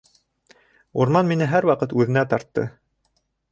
Урман мине һәр ваҡыт үҙенә тартты.